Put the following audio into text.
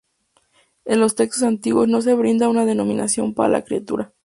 En los textos antiguos no se brinda una denominación para la criatura.